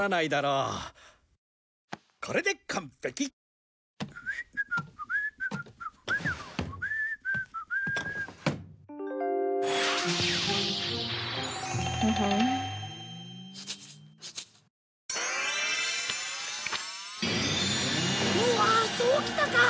うわっそうきたか！